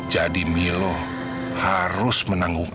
jadi milo harus menanggung